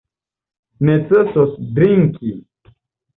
Necesos drinki.